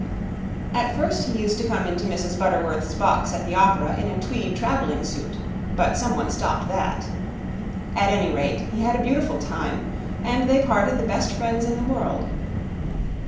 At first he used to come into Mrs. Butterworth's box at the opera in a tweed traveling suit; but someone stopped that. At any rate, he had a beautiful time, and they parted the best friends in the world.